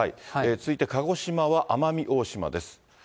続いて鹿児島は奄美大島です。